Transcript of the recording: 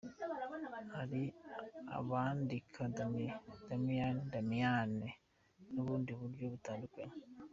Hari abandika Damia, Damian, Damiane n’ubundi buryo butandukanye.